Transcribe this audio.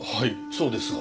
そうですが。